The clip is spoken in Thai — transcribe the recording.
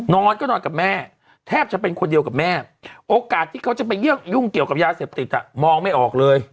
นอนก็นอนกับแม่แทบจะเป็นคนเดียวกับแม่โอกาสที่เขาจะไปยุ่งเกี่ยวกับยาเสพติดมองไม่ออกเลย